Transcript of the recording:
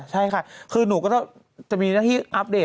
ใช่ค่ะคือหนูก็จะมีหน้าที่อัปเดต